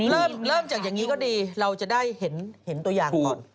เริ่มจากอย่างนี้ก็ดีเราจะได้เห็นตัวอย่างก่อน